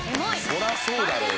そりゃそうだろうよ。